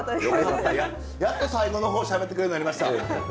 やっと最後の方しゃべってくれるようになりました。